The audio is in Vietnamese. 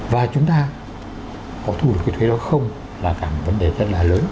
và chúng ta có thu được cái thuế đó không là cả một vấn đề rất là lớn